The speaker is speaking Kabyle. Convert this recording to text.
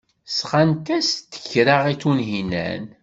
Sɣant-as-d kra i Tunhinan.